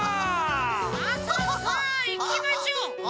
さあさあさあいきましょう。